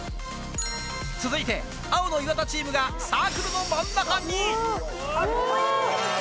続いて、青の岩田チームがサークルの真ん中に。